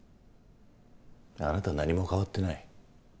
あなたは何も変わってない。